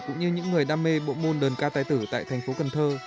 cũng như những người đam mê bộ môn đơn ca tài tử tại thành phố cần thơ